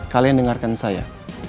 kalian dengarkan saya